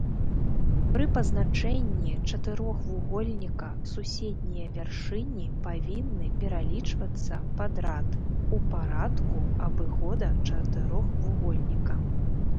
Пры пазначэнні чатырохвугольніка суседнія вяршыні павінны пералічвацца падрад у парадку абыхода чатырохвугольніка.